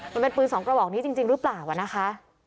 มันเป็นปืนสองกระบอกนี้จริงหรือเปล่านะคะ